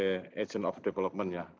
bni kan sebagai agent of development ya